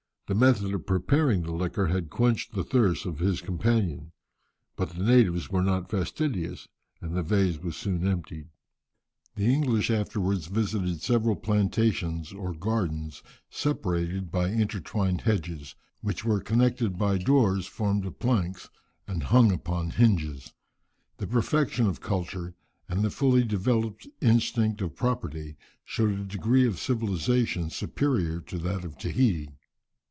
The method of preparing the liquor had quenched the thirst of his companions, but the natives were not fastidious, and the vase was soon emptied. The English afterwards visited several plantations or gardens, separated by intertwined hedges, which were connected by doors formed of planks and hung upon hinges. The perfection of culture, and the fully developed instinct of property, showed a degree of civilization superior to that of Tahiti.